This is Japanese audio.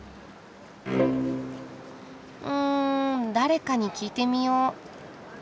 うん誰かに聞いてみよう。